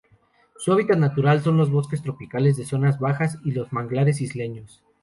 Su hábitat natural son los bosques tropicales de zonas bajas y los manglares isleños.